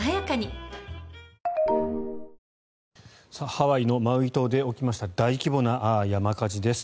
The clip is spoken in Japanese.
ハワイのマウイ島で起きました大規模な山火事です。